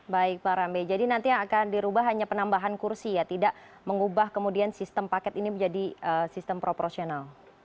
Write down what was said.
baik pak rambe jadi nanti yang akan dirubah hanya penambahan kursi ya tidak mengubah kemudian sistem paket ini menjadi sistem proporsional